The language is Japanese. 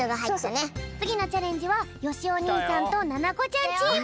つぎのチャレンジはよしお兄さんとななこちゃんチーム。